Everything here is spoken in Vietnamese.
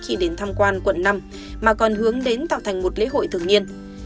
khi đến tham quan quận năm mà còn hướng đến tạo thành một lễ hội thường niên